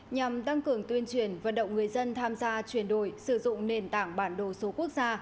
nhằm tăng cường tuyên truyền vận động người dân tham gia chuyển đổi sử dụng nền tảng bản đồ số quốc gia